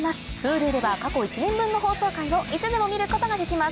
Ｈｕｌｕでは過去１年分の放送回をいつでも見ることができます